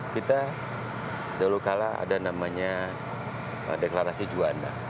kita dulu kala ada namanya deklarasi juanda